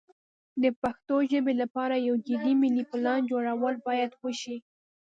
د پښتو ژبې لپاره یو جدي ملي پلان جوړول باید وشي.